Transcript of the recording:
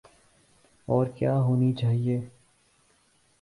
اورکیا ہونی چاہیے۔